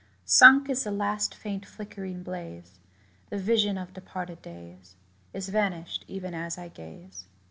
Sunk is the last faint flickering blaze: The vision of departed days Is vanished even as I gaze.